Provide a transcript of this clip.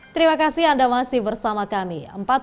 terima kasih anda masih bersama kami